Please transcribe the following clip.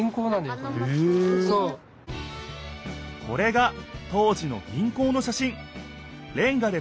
これが当時の銀行のしゃしん。